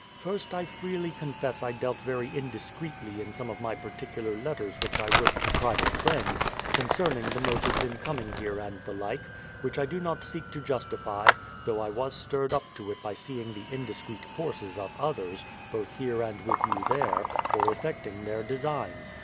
First I freely confess I dealt very indis creetly in some of my particular letters which I wrote to private friends, concerning the motives in coming here and the like, which I do not seek to justify, though I was stirred up to it by seeing the indiscreet courses of others, both here and with you there, for effecting their designs.